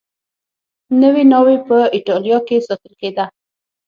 نوې ناوې په اېټالیا کې ساتل کېده.